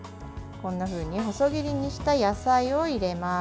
こんなふうに細切りにした野菜を入れます。